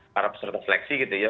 para peserta seleksi gitu ya